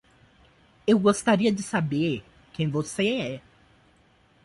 Eu gostaria de saber quem você é.